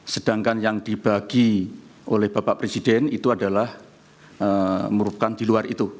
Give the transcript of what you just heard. sedangkan yang dibagi oleh bapak presiden itu adalah merupakan di luar itu